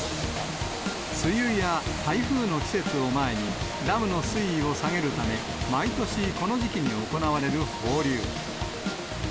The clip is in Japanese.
梅雨や台風の季節を前に、ダムの水位を下げるため、毎年この時期に行われる放流。